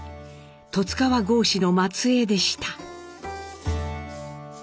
十津川郷士の末えいでした。